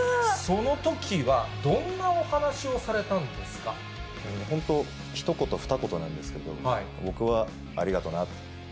そのときは、どんなお話をさ本当、ひと言、ふた言なんですけど、僕はありがとな。